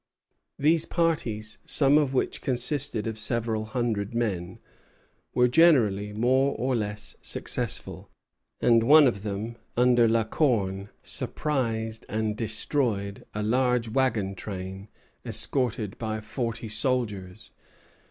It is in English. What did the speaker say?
These parties, some of which consisted of several hundred men, were generally more or less successful; and one of them, under La Corne, surprised and destroyed a large wagon train escorted by forty soldiers.